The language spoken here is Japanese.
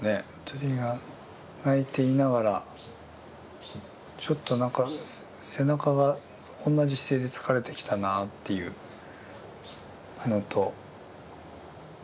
鳥が鳴いていながらちょっと何か背中が同じ姿勢で疲れてきたなっていうのと。